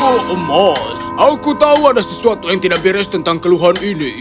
oh emos aku tahu ada sesuatu yang tidak beres tentang keluhan ini